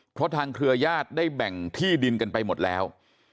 เพราะทางเครือญาติได้แบ่งที่ดินกันไปหมดแล้ว